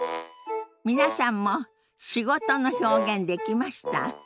皆さんも「仕事」の表現できました？